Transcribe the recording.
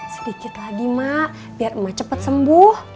sedikit lagi mak biar emak cepat sembuh